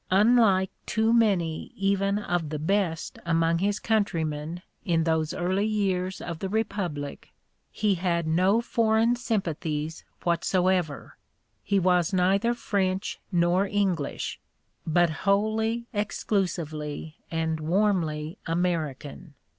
Unlike too many even of the best among his countrymen in those early years of the Republic, he had no foreign sympathies whatsoever; he was neither French nor English, but wholly, exclusively, and warmly American.